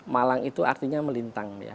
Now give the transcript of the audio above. malang itu artinya melintang